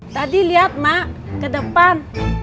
tadi lihat mak ke depan